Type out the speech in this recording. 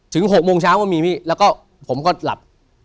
ถึงหกโมงเช้ามึงไม่มีพี่แล้วผมก็หลับ